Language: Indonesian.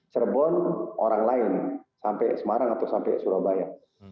cirebon orang lain sampai semarang atau sampai surabaya